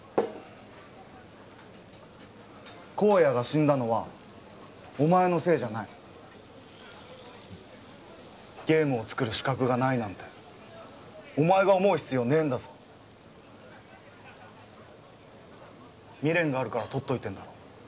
公哉が死んだのはお前のせいじゃないゲームを作る資格がないなんてお前が思う必要ねえんだぞ未練があるから取っといてんだろ